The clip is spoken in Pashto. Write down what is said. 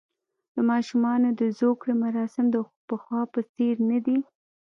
د ماشومانو د زوکړې مراسم د پخوا په څېر نه دي.